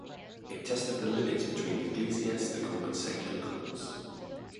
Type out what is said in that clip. It tested the limits between ecclesiastical and secular courts.